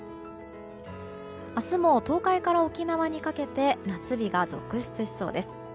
明日も東海から沖縄にかけて夏日が続出しそうです。